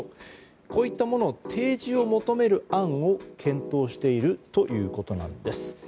こういったものの提示を求める案を検討しているということです。